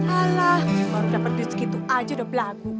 alah baru dapat duit segitu saja sudah berlagu